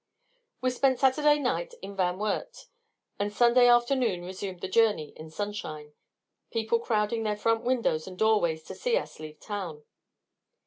We spent Saturday night in Van Wert, and Sunday afternoon resumed the journey in sunshine, people crowding their front windows and doorways to see us leave town.